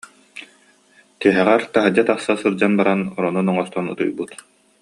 Тиһэҕэр, таһырдьа тахса сылдьан баран, оронун оҥостон утуйбут